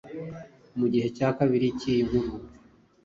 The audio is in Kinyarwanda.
mu gihe cya kabiri cy’iyi nkuru